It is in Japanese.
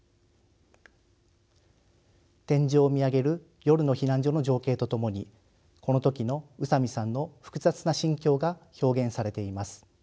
天井を見上げる夜の避難所の情景と共にこの時の宇佐美さんの複雑な心境が表現されています。